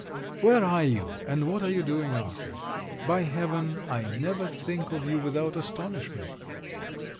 Where are you, and what are you doing, Arthur? By heaven, I never think of you without astonishment!